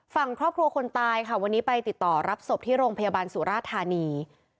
ฝั่งครอบครัวคนตายค่ะวันนี้ไปติดต่อรับศพที่โรงพยาบาลสุราธานี